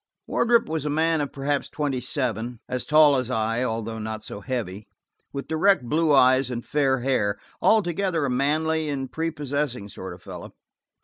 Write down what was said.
Wardrop was a man of perhaps twenty seven, as tall as I, although not so heavy, with direct blue eyes and fair hair; altogether a manly and prepossessing sort of fellow.